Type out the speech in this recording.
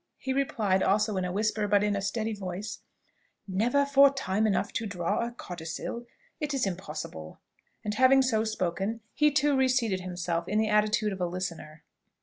he replied, also in a whisper, but in a steady voice, "Never for time enough to draw a codicil, it is impossible!" And having so spoken, he too reseated himself in the attitude of a listener.